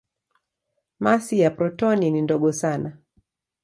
Masi ya protoni ni ndogo sana.